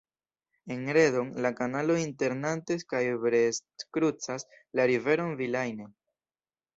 En Redon, la kanalo inter Nantes kaj Brest krucas la riveron Vilaine.